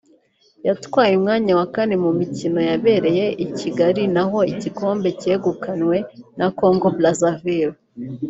yatwaye umwanya wa kane mu mikino yabereye i Kigali naho igikombe cyegukanywe na Congo Brazzaville